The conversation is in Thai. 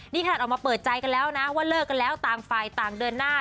นี่ขนาดออกมาเปิดใจกันแล้วนะว่าเลิกกันแล้วต่างฝ่ายต่างเดินหน้า